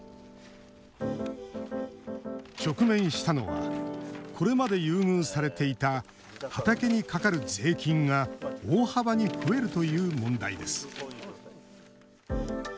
直面したのはこれまで優遇されていた畑にかかる税金が大幅に増えるという問題です。